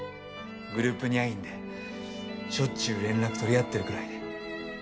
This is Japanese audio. グループニャインでしょっちゅう連絡取り合ってるくらいね。